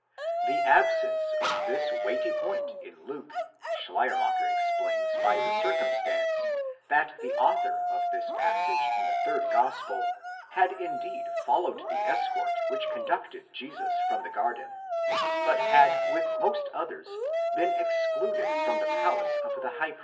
The absence of this weighty point in Luke, Schleiermacher explains by the circumstance, that the author of this passage in the third gospel had indeed followed the escort which conducted Jesus from the garden, but had with most others been excluded from the palace of the high priest, 4 Winer, Gramm.